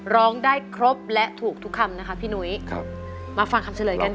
ร้องได้ครบและถูกทุกคำนะคะพี่หนุ้ยครับมาฟังคำเฉลยกันค่ะ